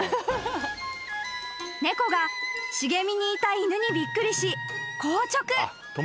［猫が茂みにいた犬にびっくりし硬直］